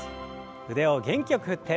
腕を元気よく振って。